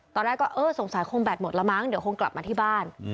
ตอนแรกก็เออสงสัยคงแบตหมดละมั้งเดี๋ยวคงกลับมาที่บ้าน